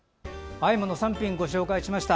あえもの３品後紹介しました。